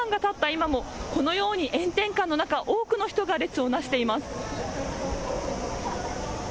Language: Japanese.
今もこのように炎天下の中、多くの人が列をなしています。